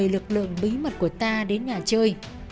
lực lượng bí mật của ta đến nhà chơi